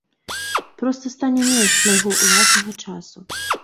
Проста стане менш майго ўласнага часу.